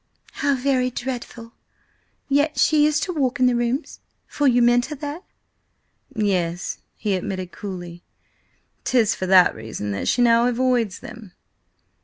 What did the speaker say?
"How very dreadful! Yet she used to walk in the Rooms, for you met her there?" "Yes," he admitted coolly. "'Tis for that reason that she now avoids them."